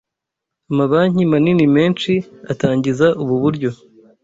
Amabanki manini menshi atangiza ubu buryo.